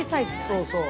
そうそう。